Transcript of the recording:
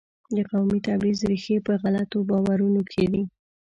د قومي تبعیض ریښې په غلطو باورونو کې دي.